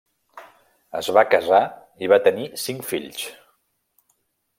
Es va casar i va tenir cinc fills.